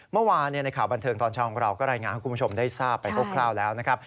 เมื่อวานในข่าวบันเทิงตอนเช้าของเราก็รายงานให้คุณผู้ชมได้ทราบไปคร่าวแล้วนะครับ